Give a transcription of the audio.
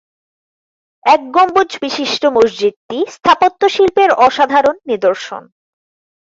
এক গম্বুজ বিশিষ্ট মসজিদটি স্থাপত্য শিল্পের অসাধারণ নিদর্শন।